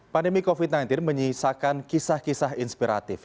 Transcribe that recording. pandemi covid sembilan belas menyisakan kisah kisah inspiratif